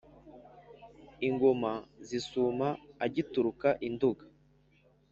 ingoma zisuma agituruka i nduga